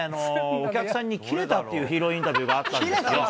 お客さんにキレたっていうヒーローインタビューがあったんですよ。